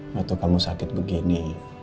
waktu kamu sakit begini